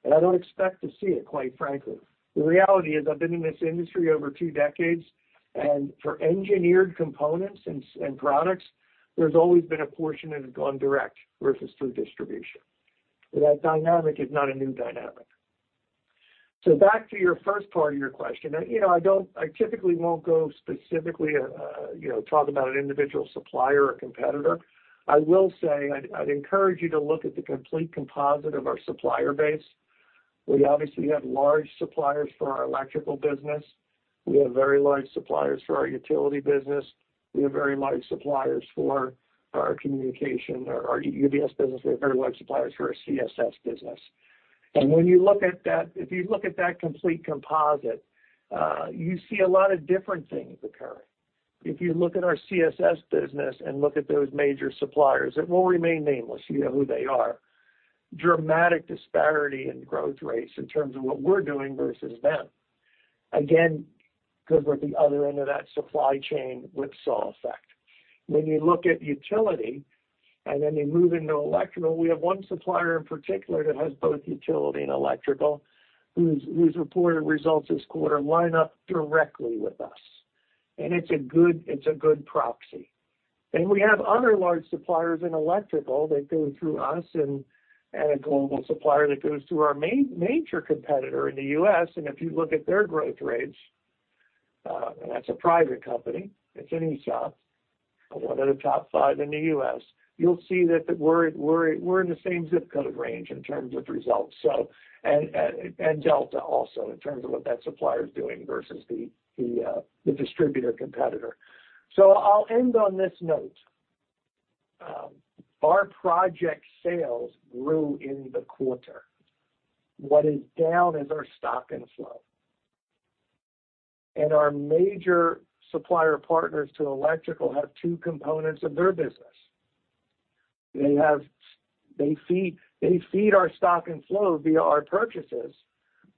and I don't expect to see it, quite frankly. The reality is, I've been in this industry over two decades, and for engineered components and products, there's always been a portion that has gone direct versus through distribution. That dynamic is not a new dynamic. Back to your first part of your question, and you know, I typically won't go specifically, you know, talk about an individual supplier or competitor. I will say, I'd encourage you to look at the complete composite of our supplier base. We obviously have large suppliers for our electrical business. We have very large suppliers for our utility business. We have very large suppliers for our communication or our UBS business. We have very large suppliers for our CSS business. When you look at that, if you look at that complete composite, you see a lot of different things occurring. If you look at our CSS business and look at those major suppliers, it will remain nameless, you know who they are. Dramatic disparity in growth rates in terms of what we're doing versus them. Because we're at the other end of that supply chain whipsaw effect. When you look at utility, and then you move into electrical, we have one supplier in particular that has both utility and electrical, whose reported results this quarter line up directly with us. It's a good proxy. We have other large suppliers in electrical that go through us and a global supplier that goes through our major competitor in the U.S. If you look at their growth rates, and that's a private company, it's in ESOP, one of the top five in the U.S., you'll see that we're in the same zip code range in terms of results, so, and Delta also, in terms of what that supplier is doing versus the distributor competitor. I'll end on this note. Our project sales grew in the quarter. What is down is our stock and flow. Our major supplier partners to electrical have two components of their business. They feed our stock and flow via our purchases,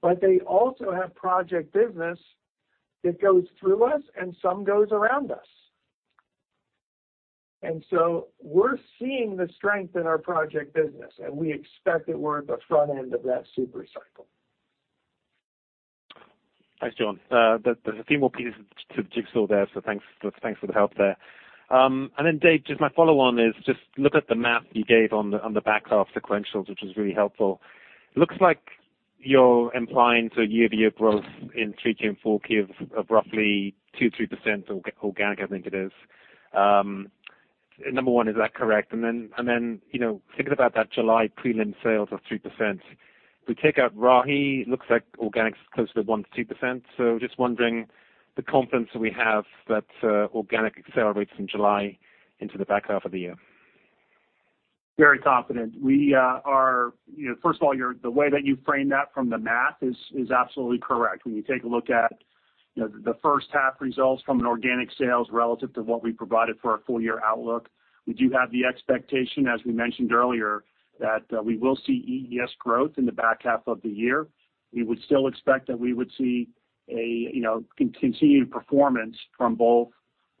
but they also have project business that goes through us and some goes around us. We're seeing the strength in our project business, and we expect that we're at the front end of that super cycle. Thanks, John. There, there's a few more pieces to the jigsaw there, so thanks, thanks for the help there. Then Dave, just my follow-on is, just look at the math you gave on the, on the back half sequentials, which was really helpful. It looks like you're implying to year-over-year growth in 3Q and 4Q of, of roughly 2%-3% or organic, I think it is. Number one, is that correct? Then, and then, you know, thinking about that July prelim sales of 3%, if we take out Rahi, looks like organic is closer to 1%-2%. Just wondering the confidence that we have that organic accelerates in July into the back half of the year. Very confident. We are, you know, first of all, the way that you framed that from the math is, is absolutely correct. When you take a look at, you know, the first half results from an organic sales relative to what we provided for our full year outlook, we do have the expectation, as we mentioned earlier, that we will see EES growth in the back half of the year. We would still expect that we would see a, you know, continued performance from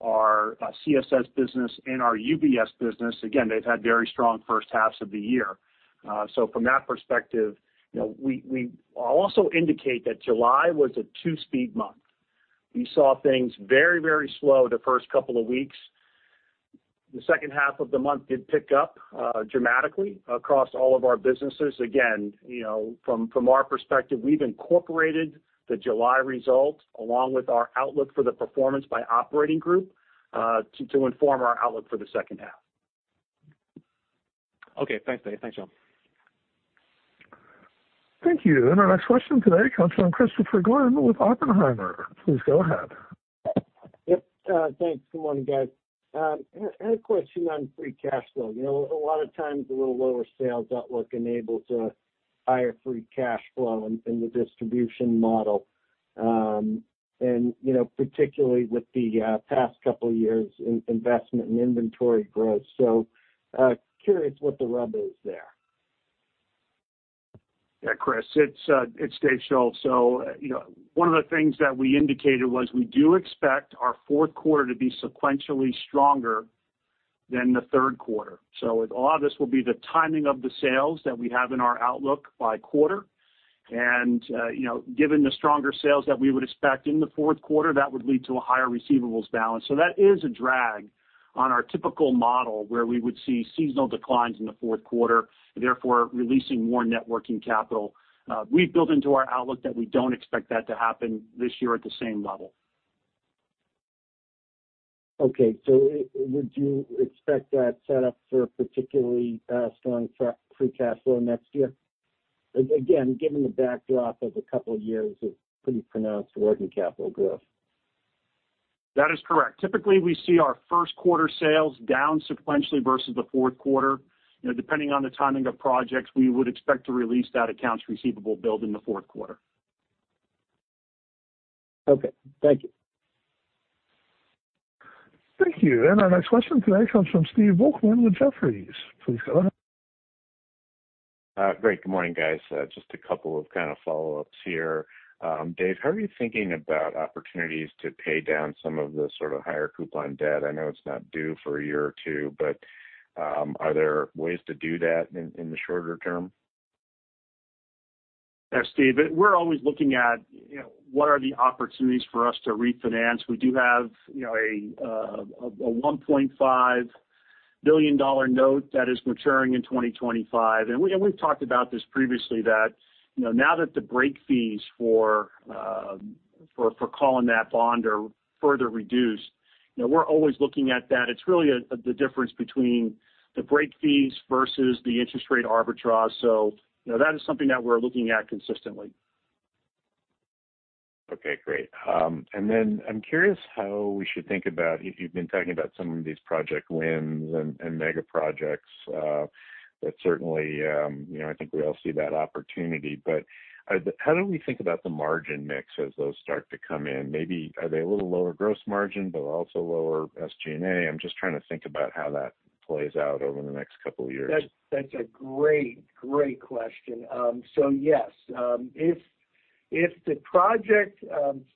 our CSS business and our UBS business, again, they've had very strong first halves of the year. From that perspective, you know, I'll also indicate that July was a two-speed month. We saw things very, very slow the first couple of weeks. The second half of the month did pick up dramatically across all of our businesses. Again, you know, from, from our perspective, we've incorporated the July result along with our outlook for the performance by operating group, to inform our outlook for the second half. Okay, thanks, Dave. Thanks, y'all. Thank you. Our next question today comes from Christopher Glynn with Oppenheimer. Please go ahead. Yep, thanks. Good morning, guys. I, I had a question on free cash flow. You know, a lot of times, a little lower sales outlook enables a higher free cash flow in, in the distribution model, and, you know, particularly with the past couple years in investment and inventory growth. Curious what the rub is there? Yeah, Chris, it's, it's Dave Schulz. You know, one of the things that we indicated was we do expect our fourth quarter to be sequentially stronger than the third quarter. A lot of this will be the timing of the sales that we have in our outlook by quarter. You know, given the stronger sales that we would expect in the fourth quarter, that would lead to a higher receivables balance. That is a drag on our typical model, where we would see seasonal declines in the fourth quarter, therefore, releasing more net working capital. We've built into our outlook that we don't expect that to happen this year at the same level. Okay, so would you expect that set up for a particularly strong free cash flow next year, again, given the backdrop of a couple years of pretty pronounced working capital growth? That is correct. Typically, we see our first quarter sales down sequentially versus the fourth quarter. You know, depending on the timing of projects, we would expect to release that accounts receivable build in the fourth quarter. Okay, thank you. Thank you, our next question today comes from Steve Volkmann with Jefferies. Please go ahead. Great. Good morning, guys. Just a couple of kind of follow-ups here. Dave, how are you thinking about opportunities to pay down some of the sort of higher coupon debt? I know it's not due for a year or 2, but are there ways to do that in, in the shorter term? Yeah, Steve, we're always looking at, you know, what are the opportunities for us to refinance. We do have, you know, a $1.5 billion note that is maturing in 2025. We, and we've talked about this previously, that, you know, now that the break fees for, for calling that bond are further reduced, you know, we're always looking at that. It's really the difference between the break fees versus the interest rate arbitrage. You know, that is something that we're looking at consistently. Okay, great. Then I'm curious how we should think about, you've been talking about some of these project wins and, and mega projects. That certainly, you know, I think we all see that opportunity, but how do we think about the margin mix as those start to come in? Maybe are they a little lower gross margin, but also lower SG&A? I'm just trying to think about how that plays out over the next couple of years. That's, that's a great, great question. Yes, if, if the project,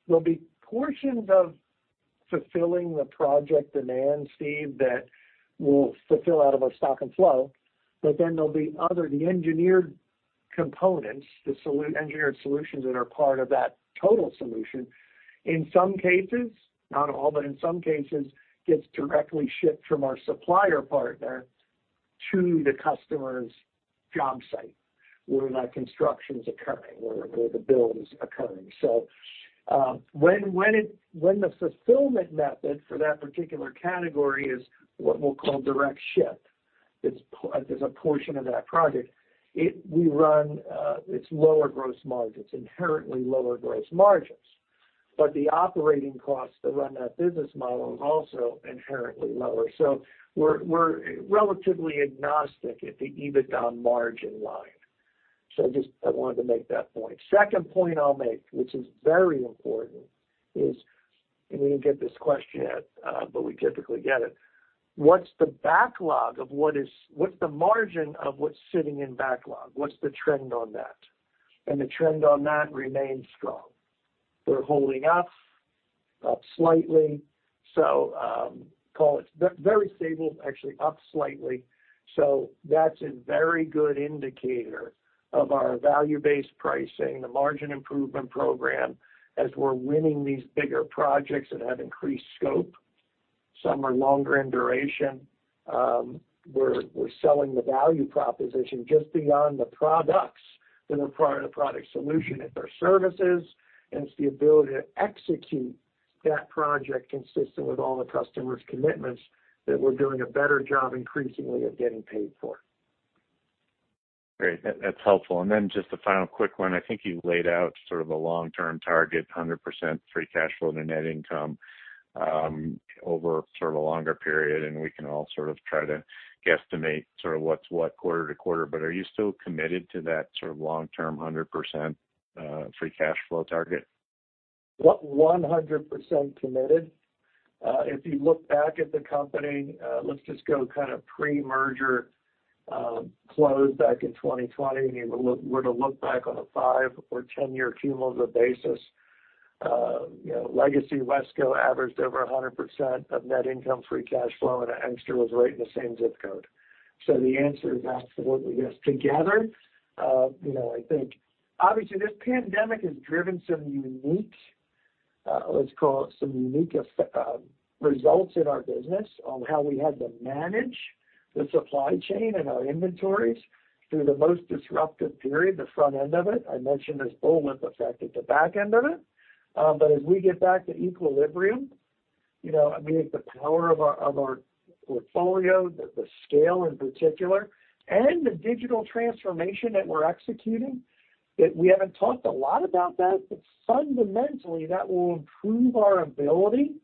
there'll be portions of fulfilling the project demand, Steve, that we'll fulfill out of our stock and flow, but then there'll be other, the engineered components, engineered solutions that are part of that total solution. In some cases, not all, but in some cases, gets directly shipped from our supplier partner to the customer's job site, where that construction's occurring, where, where the build is occurring. When, when the fulfillment method for that particular category is what we'll call direct ship, it's there's a portion of that project, we run, it's lower gross margins. It's inherently lower gross margins, but the operating costs to run that business model is also inherently lower. We're, we're relatively agnostic at the EBITDA margin line. Just, I wanted to make that point. Second point I'll make, which is very important, is, we didn't get this question yet, but we typically get it: What's the backlog of what's the margin of what's sitting in backlog? What's the trend on that? The trend on that remains strong. They're holding up, up slightly. Call it very stable, actually, up slightly. That's a very good indicator of our value-based pricing, the margin improvement program, as we're winning these bigger projects that have increased scope, some are longer in duration. We're, we're selling the value proposition just beyond the products that are part of the product solution. It's our services, and it's the ability to execute that project consistent with all the customer's commitments that we're doing a better job increasingly of getting paid for. Great. That, that's helpful. Then just a final quick one. I think you've laid out sort of the long-term target, 100% free cash flow to net income, over sort of a longer period, and we can all sort of try to guesstimate sort of what's what quarter to quarter. Are you still committed to that sort of long-term 100% free cash flow target? 100% committed. If you look back at the company, let's just go kind of pre-merger, closed back in 2020, and you were to look back on a 5- or 10-year cumulative basis, you know, legacy WESCO averaged over 100% of net income, free cash flow, and Anixter was right in the same zip code. The answer is absolutely yes. Together, you know, I think obviously, this pandemic has driven some unique, let's call it some unique results in our business on how we had to manage the supply chain and our inventories through the most disruptive period, the front end of it. I mentioned this bullwhip effect at the back end of it. As we get back to equilibrium, you know, I mean, the power of our, of our portfolio, the, the scale in particular, and the digital transformation that we're executing, that we haven't talked a lot about that, but fundamentally, that will improve our ability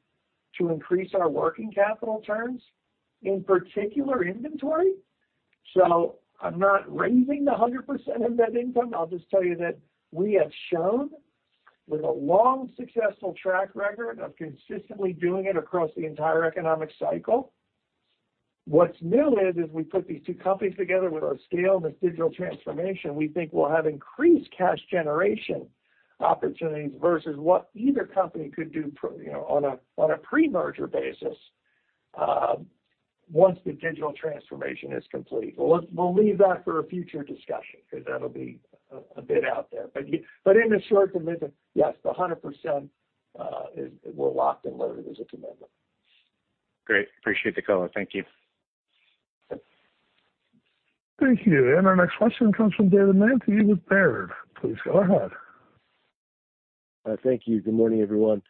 to increase our working capital terms, in particular, inventory. I'm not raising the 100% of net income. I'll just tell you that we have shown, with a long, successful track record of consistently doing it across the entire economic cycle. What's new is, as we put these two companies together with our scale and this digital transformation, we think we'll have increased cash generation opportunities versus what either company could do pro- you know, on a, on a pre-merger basis, once the digital transformation is complete. Well, we'll leave that for a future discussion because that'll be a, a bit out there. In the short term, yes, the 100% is, we're locked and loaded as a commitment. Great. Appreciate the color. Thank you. Thank you. Our next question comes from David Manthey with Baird. Please go ahead. Thank you. Good morning, everyone.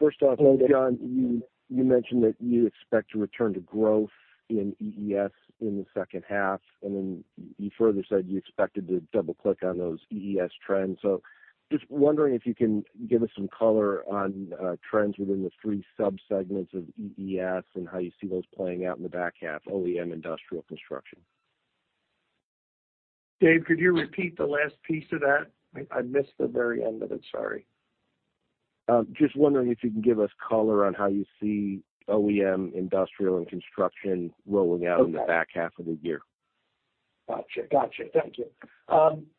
First off, John, you, you mentioned that you expect to return to growth in EES in the second half, and then you further said you expected to double-click on those EES trends. Just wondering if you can give us some color on trends within the three subsegments of EES and how you see those playing out in the back half, OEM, industrial, construction? Dave, could you repeat the last piece of that? I, I missed the very end of it. Sorry. Just wondering if you can give us color on how you see OEM industrial and construction rolling out? Okay. In the back half of the year. Gotcha. Gotcha. Thank you.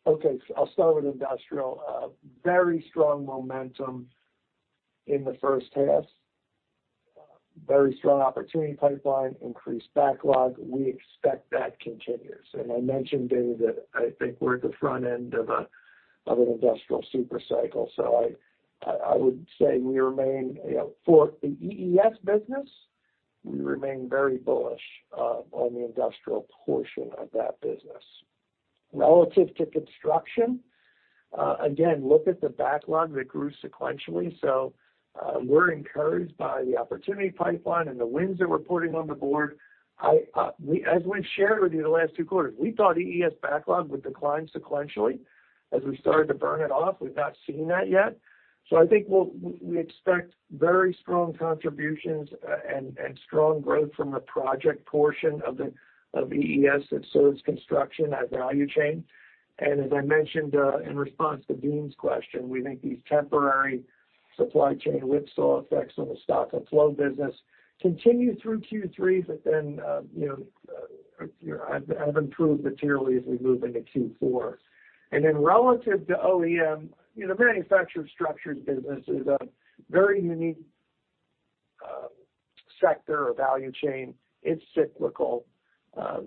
Okay, I'll start with industrial. Very strong momentum in the first half. Very strong opportunity pipeline, increased backlog. We expect that continues. I mentioned, David, that I think we're at the front end of a, of an industrial super cycle. I, I, I would say we remain, you know, for the EES business, we remain very bullish on the industrial portion of that business. Relative to construction, again, look at the backlog that grew sequentially. We're encouraged by the opportunity pipeline and the wins that we're putting on the board. I, as we've shared with you the last two quarters, we thought EES backlog would decline sequentially as we started to burn it off. We've not seen that yet. I think we'll we expect very strong contributions, and, and strong growth from the project portion of the, of EES that serves construction, that value chain. As I mentioned, in response to Deane's question, we think these temporary supply chain whip saw effects on the stock and flow business continue through Q3, but then, you know, you know, have, have improved materially as we move into Q4. Then relative to OEM, you know, manufactured structured business is a very unique, sector or value chain. It's cyclical.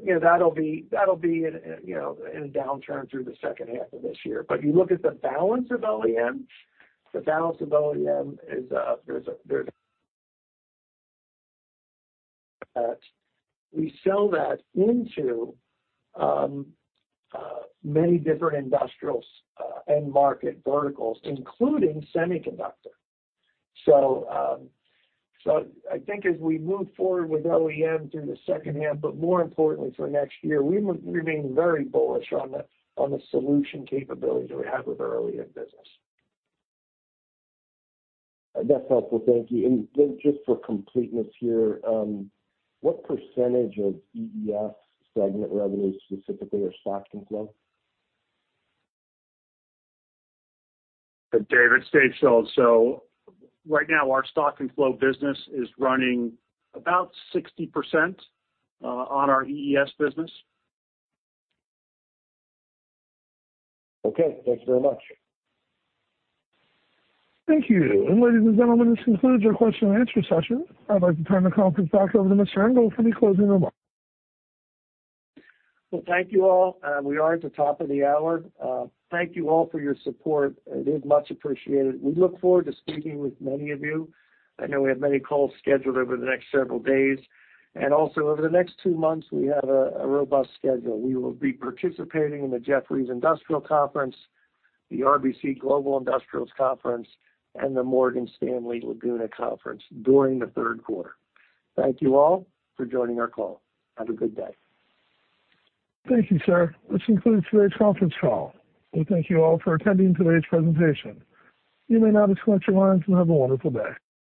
You know, that'll be, that'll be in, in, you know, in a downturn through the second half of this year. You look at the balance of OEM, the balance of OEM is, we sell that into, many different industrials, end market verticals, including semiconductor. I think as we move forward with OEM through the second half, but more importantly for next year, we remain very bullish on the, on the solution capabilities that we have with our OEM business. That's helpful. Thank you. Just for completeness here, what percentage of EES segment revenues specifically are stock and flow? David, it's Dave Schulz. Right now, our stock and flow business is running about 60% on our EES business. Okay. Thanks very much. Thank you. Ladies and gentlemen, this concludes our question and answer session. I'd like to turn the conference back over to Mr. Engel for any closing remarks. Well, thank you all, and we are at the top of the hour. Thank you all for your support. It is much appreciated. We look forward to speaking with many of you. I know we have many calls scheduled over the next several days, and also over the next two months, we have a, a robust schedule. We will be participating in the Jefferies Industrials Conference, the RBC Global Industrials Conference, and the Morgan Stanley Laguna Conference during the third quarter. Thank you all for joining our call. Have a good day. Thank you, sir. This concludes today's conference call. We thank you all for attending today's presentation. You may now disconnect your lines and have a wonderful day.